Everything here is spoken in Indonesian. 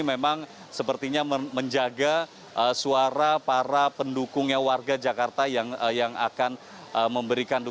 memang sepertinya menjaga suara para pendukungnya warga jakarta yang akan memberikan dukungan